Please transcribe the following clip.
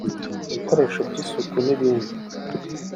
ibikoresho by’isuku n’ibindi